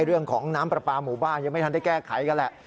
เรื่องของน้ำปลาปลาหมู่บ้านยังไม่ทันได้แก้ไขกันแหละ